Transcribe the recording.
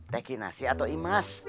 teh kinasi atau imas